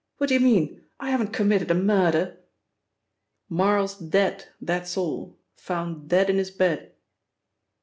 "What do you mean? I haven't committed a murder!" "Marl's dead, that's all; found dead in his bed."